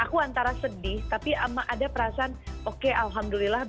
aku antara sedih tapi ada perasaan oke alhamdulillah berarti sekarang aku bisa berubah jadi orang lain